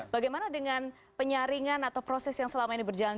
bagaimana dengan penyaringan atau proses yang selama ini berjalan